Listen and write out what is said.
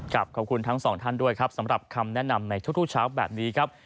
ขอบคุณทั้งสองท่านด้วยครับสำหรับคำแนะนำในทุกเช้าแบบนี้ครับ